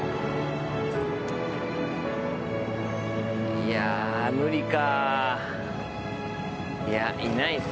いや無理か。